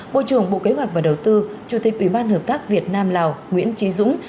bộ trưởng bộ kế hoạch và đầu tư chủ tịch ủy ban hợp tác việt nam lào nguyễn trí dũng